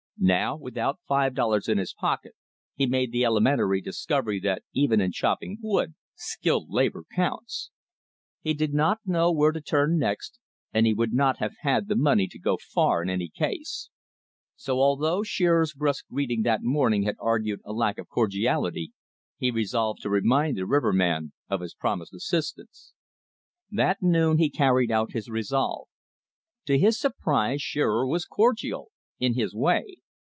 Now, without five dollars in his pocket, he made the elementary discovery that even in chopping wood skilled labor counts. He did not know where to turn next, and he would not have had the money to go far in any case. So, although Shearer's brusque greeting that morning had argued a lack of cordiality, he resolved to remind the riverman of his promised assistance. That noon he carried out his resolve. To his surprise Shearer was cordial in his way.